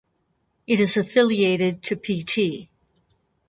It is affiliated to Pt.